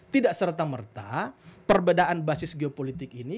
tidak serta merta perbedaan basis geopolitik ini